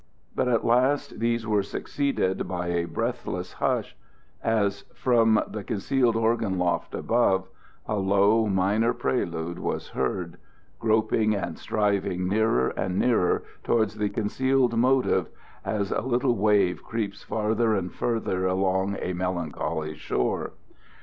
But at last these were succeeded by a breathless hush, as, from the concealed organ loft above, a low, minor prelude was heard, groping and striving nearer and nearer towards the concealed motive, as a little wave creeps farther and farther along a melancholy shore.